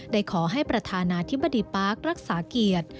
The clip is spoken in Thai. ได้ขอให้ประธานาธิบดีปาร์ครักษาเกียรติ